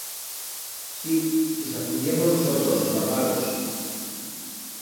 Sí, lis afundiemos nusotros, os barbaros.